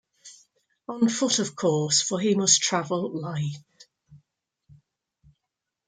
On foot, of course, for he must travel light.